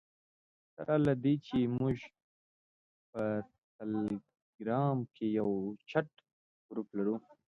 سره له دې چې موږ په ټلګرام کې یو چټ ګروپ لرو.